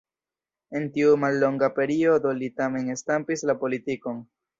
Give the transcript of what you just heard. En tiu mallonga periodo li tamen stampis la politikon.